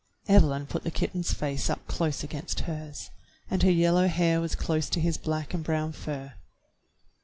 Evelyn put the kitten's face up close against hers, and her yellow hair was close to his black and brown fur.